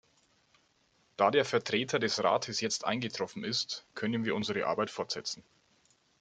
Da der Vertreter des Rates jetzt eingetroffen ist, können wir unsere Arbeit fortsetzen.